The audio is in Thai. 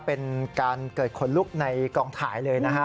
เป็นการเกิดขนลุกในกองถ่ายเลยนะฮะ